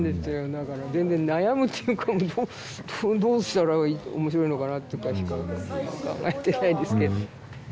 だから全然悩むっていうかどうしたら面白いのかなってしか考えてないですけど